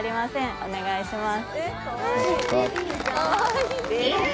お願いします